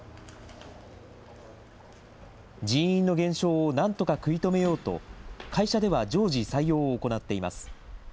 人員の減少をなんとか食い止めようと、会社では常時採用を行っています。